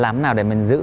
làm nào để mình giữ